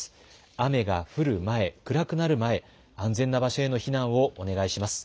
雨が降る前、暗くなる前、安全な場所での避難をお願いします。